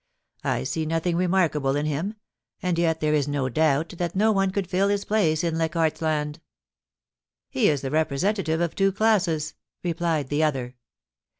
I see nothing remarkable in him — and yet there is no doubt that no one could fill his place in Leichardt's Land' *He is the representative of two classes,* replied the other.